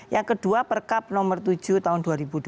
yang kedua perkab nomor tujuh tahun dua ribu dua puluh